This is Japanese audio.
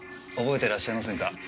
覚えてらっしゃいませんか？